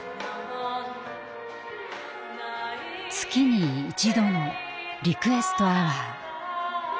月に一度のリクエストアワー。